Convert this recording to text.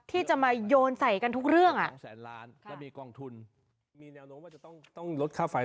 ที่จะมายนใส่กันทุกเรื่องอ่ะ